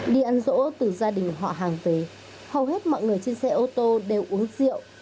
đi ăn rỗ từ gia đình họ hàng về hầu hết mọi người trên xe ô tô đều uống rượu